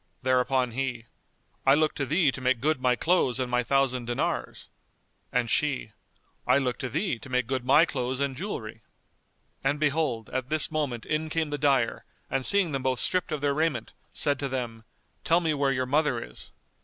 Thereupon he, "I look to thee to make good my clothes and my thousand dinars;" and she, "I look to thee to make good my clothes and jewellery." And, behold, at this moment in came the dyer and seeing them both stripped of their raiment, said to them, "Tell me where your mother is."